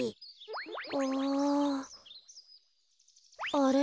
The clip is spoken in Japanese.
あれ？